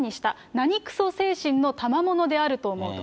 何くそ精神の賜物であると思うと。